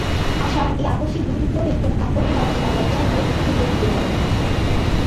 আশা এই আকস্মিক গৃহবিপ্লবের কোনো তাৎপর্য না বুঝিয়া লজ্জায় ভয়ে দুঃখে বিবর্ণ হইয়া গেল।